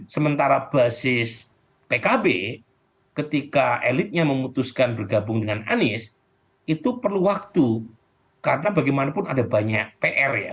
sementara basis pkb ketika elitnya memutuskan bergabung dengan anies itu perlu waktu karena bagaimanapun ada banyak pr ya